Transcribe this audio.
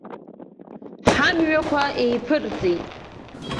Ҳамҩақәа еиԥырҵит.